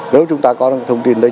nếu chúng ta có thông tin đấy